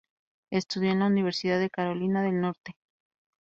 Estudió en la Universidad de Carolina del Norte.